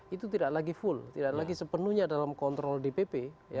itu tidak lagi full tidak lagi sepenuhnya dalam kontrol dpp